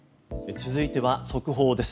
続いては速報です。